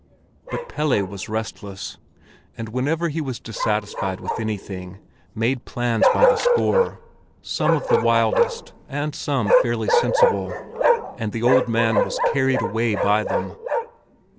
But Pelle was restless, and whenever he was dissatisfied with anything, made plans by the score, some of the wildest, and some fairly sensible; and the old man was carried away by them.